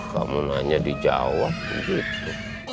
kamu nanya di jawa begitu